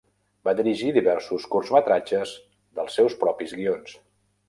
Va dirigir diversos curtmetratges dels seus propis guions.